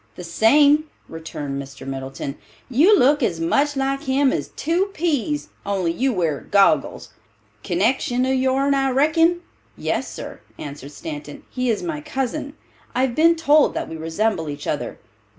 "The same," returned Mr. Middleton. "You look as much like him as two peas, only you wear goggles. Connection of your'n I reckon?" "Yes, sir," answered Stanton, "he is my cousin. I have been told that we resemble each other."